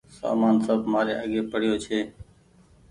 سامان سب مآري آگي پڙيو ڇي